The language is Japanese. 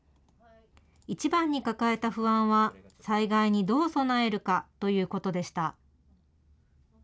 一番に抱えた不安は、災害にどう備えるかということでした。